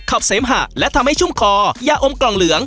เสมหะและทำให้ชุ่มคอยาอมกล่องเหลือง